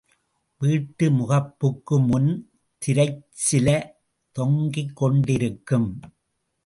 வீட்டு முகப்புக்கு முன் திரைச்சில தொங்கிக்கொண்டிருக்கும்.